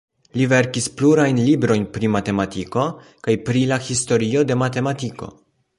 Li verkis plurajn librojn pri matematiko kaj pri la historio de matematiko.